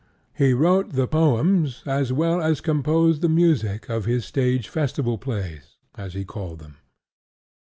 He wrote the poems as well as composed the music of his "stage festival plays," as he called them.